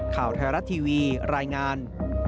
ข่าวไทยรัฐทีวีรายงาน